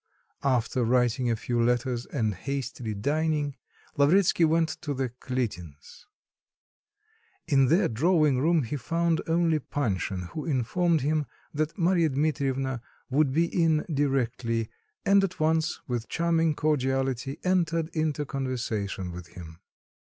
After writing a few letters and hastily dining, Lavretsky went to the Kalitins'. In their drawing room he found only Panshin, who informed him that Marya Dmitrievna would be in directly, and at once, with charming cordiality, entered into conversation with him.